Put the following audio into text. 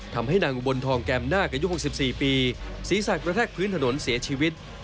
ทำให้นางอุบลทองแก่มนาคอายุ๖๔ปีศีรษะกระแทกพื้นถนนเสียชีวิต